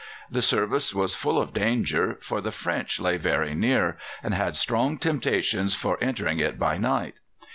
The service was full of danger, for the French lay very near, and had strong temptations for entering it by night.